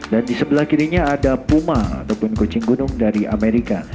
dan di sebelah kirinya ada puma ataupun kucing gunung dari amerika